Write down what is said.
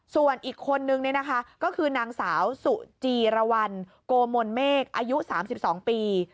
ส่วนอีกคนนึงก็คือนางสาวสุจีรวรรณโกมนเมฆอายุ๓๒ปี